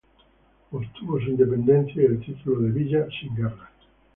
Obtuvo su independencia y el título de villa sin guerras.